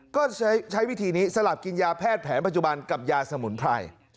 ก็ใช้วิธีนี้สลับกินยาแพทย์แผนปัจจุบันกับยาสมุนไพร